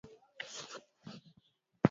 Uprotestanti Kati ya nchi muhimu ambazo zinatoa